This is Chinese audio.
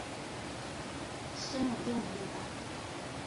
景泰元年出补山东布政使。